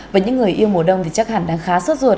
và những người yêu mùa đông thì chắc hẳn đang khá suốt ruột